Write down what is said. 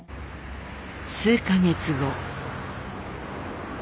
数か月後。